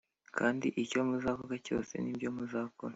Kandi icyo muzavuga cyose n’ibyo muzakora